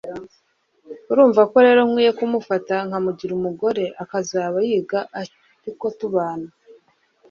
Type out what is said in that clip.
urumva ko rero nkwiye kumufata nkamugira umugore akazaba yiga ariko tubana